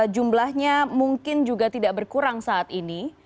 jumlahnya mungkin juga tidak berkurang saat ini